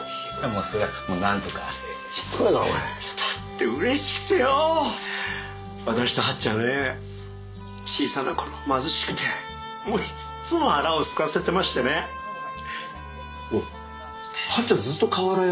それはもう何度かしつこいなお前だってうれしくてよう私と八っちゃんはね小さな頃貧しくてもういっつも腹をすかせてましてねおっ八っちゃんずっと瓦屋を？